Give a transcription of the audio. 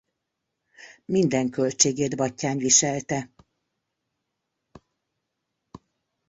Minden költségét Batthyány viselte.